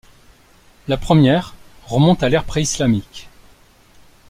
La première remonte à l’ère préislamique.